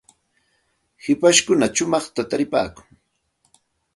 hipashkuna shumaqta takipaakun.